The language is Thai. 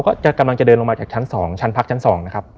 ก็กำลังจะเดินลงมาจากชั้น๒ชั้นพักชั้น๒นะครับ